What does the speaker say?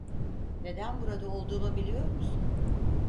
Neden burada olduğumu biliyor musun?